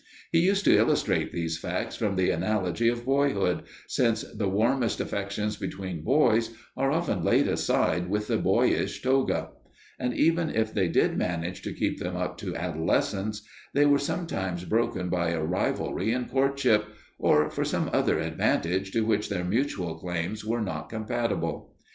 He used to illustrate these facts from the analogy of boyhood, since the warmest affections between boys are often laid aside with the boyish toga; and even if they did manage to keep them up to adolescence, they were sometimes broken by a rivalry in courtship, or for some other advantage to which their mutual claims were not compatible.